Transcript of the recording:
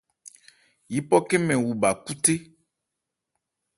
Yípɔ khɛ́n mɛn wu bha khúthé.